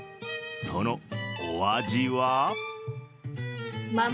そのお味は？